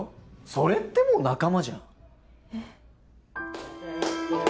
それってもう仲間じゃんえっ？